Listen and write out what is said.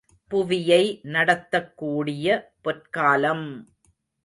புவியை நடத்தக்கூடிய பொற்காலம்!